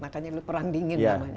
makanya dulu perang dingin namanya